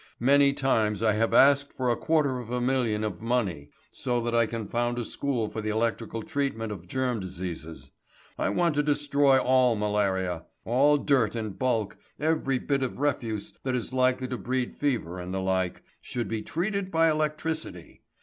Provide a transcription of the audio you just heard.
Many times I have asked for a quarter of a million of money, so that I can found a school for the electrical treatment of germ diseases. I want to destroy all malaria. All dirt in bulk, every bit of refuse that is likely to breed fever and the like, should be treated by electricity.